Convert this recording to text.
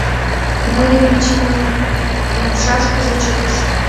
Мыйын печеньемым умшашкыже чыкыш.